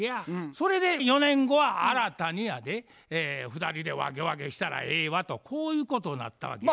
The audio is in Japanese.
それで４年後は新たにやで２人で分け分けしたらええわとこういうことになったわけや。